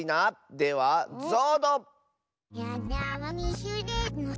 ではぞうど！